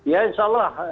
ya insya allah